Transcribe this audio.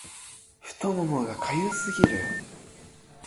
太ももが痒すぎる